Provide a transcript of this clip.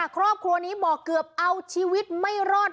ครอบครัวนี้บอกเกือบเอาชีวิตไม่รอด